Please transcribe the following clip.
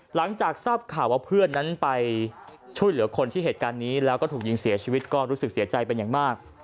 หลังจากทราบข่าวว่าเพื่อนนั้นไปช่วยเหลือคนที่เหตุการณ์นี้แล้วก็ถูกยิงเสียชีวิตก็รู้สึกเสียใจเป็นอย่างมาก